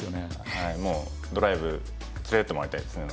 はいもうドライブ連れてってもらいたいですね